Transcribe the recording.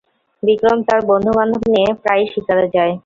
বিক্রম তার বন্ধুবান্ধব নিয়ে প্রায়ই শিকারে যায়।